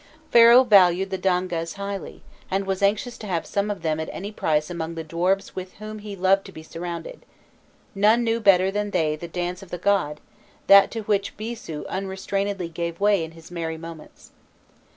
Pharaoh valued the Dangas highly, and was anxious to have some of them at any price among the dwarfs with whom he loved to be surrounded; none knew better than they the dance of the god that to which Bîsû unrestrainedly gave way in his merry moments.